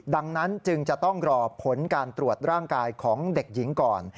ดังนั้นจึงจะต้องรอผลการตรวจร่างกายของเด็กหญิงก่อน